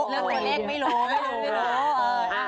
เรื่องคนเองไม่รู้ไม่รู้ไม่รู้